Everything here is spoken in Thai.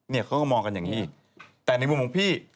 เขาก็มองกันอย่างนี้แต่ในมุมของพี่